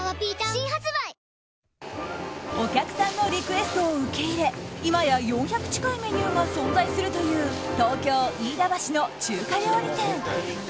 新発売お客さんのリクエストを受け入れ今や４００近いメニューが存在するという東京・飯田橋の中華料理店。